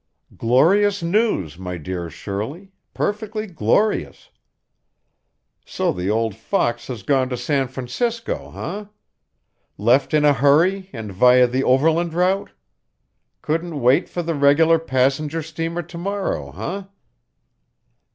"Glorious news, my dear Shirley, perfectly glorious! So the old fox has gone to San Francisco, eh? Left in a hurry and via the overland route! Couldn't wait for the regular passenger steamer to morrow, eh?